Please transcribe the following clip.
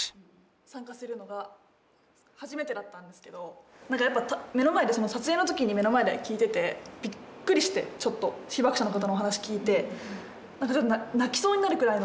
参加するのが初めてだったんですけどなんかやっぱ目の前でその撮影の時に目の前で聞いててびっくりしてちょっと被爆者の方のお話聞いてなんかちょっと泣きそうになるくらいの。